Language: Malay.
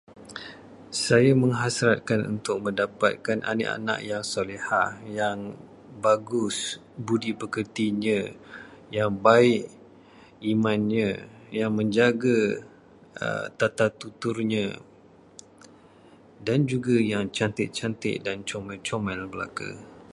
Saya menghasratkan untuk mendapatkan anak-anak yang solehah, yang bagus budi pekertinya, yang baik imannya, yang menjaga tata tuturnya, dan juga yang cantik-cantik dan comel-comel belaka.